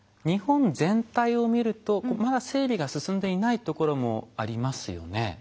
日本全体を見るとまだ整備が進んでいないところもありますよね。